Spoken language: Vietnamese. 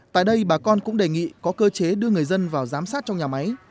tại đây bà con cũng đề nghị có cơ chế đưa người dân vào giám sát trong nhà máy